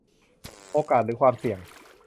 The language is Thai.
โอกาสหรือความเสี่ยง